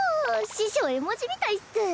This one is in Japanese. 師匠絵文字みたいっス。